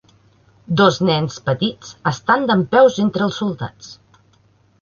Dos nens petits estan dempeus entre els soldats.